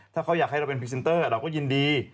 ถ้าเขาอยากให้เราเป็นพรีเซนเตอร์เราก็ยินดี